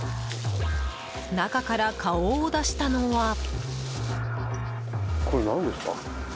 中から顔を出したのは。